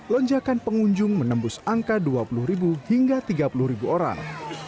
lonjakan pengunjung menembus angka dua puluh hingga tiga puluh orang